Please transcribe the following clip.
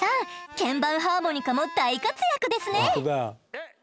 鍵盤ハーモニカも大活躍ですね。